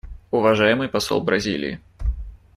Уважаемый посол Бразилии.